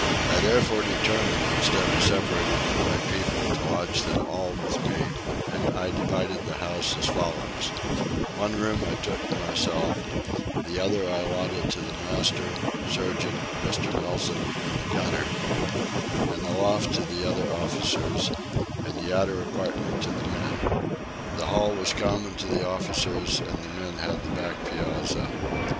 I therefore determined, instead of separating from my people, to lodge them all with me; and I divided the house as follows: one room I took to myself, the other I allotted to the master, surgeon, Mr. Nelson, and the gunner; the loft to the other officers, and the outer apartment to the men. The hall was common to the officers and the men had the back piazza.